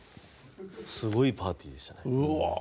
すごいパーティーでしたね。